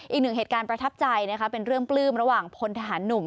อีกหนึ่งเหตุการณ์ประทับใจนะคะเป็นเรื่องปลื้มระหว่างพลทหารหนุ่ม